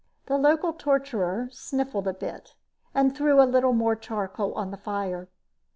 The local torturer sniffled a bit and threw a little more charcoal on the fire.